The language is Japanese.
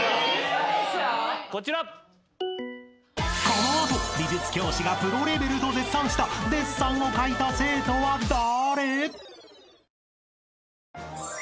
［この後美術教師がプロレベルと絶賛したデッサンを描いた生徒は誰？］